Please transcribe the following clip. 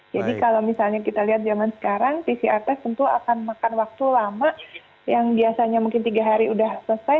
jadi kalau misalnya kita lihat zaman sekarang pcr test tentu akan makan waktu lama yang biasanya mungkin tiga hari sudah selesai